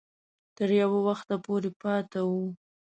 تر یو وخته پورې پاته وو.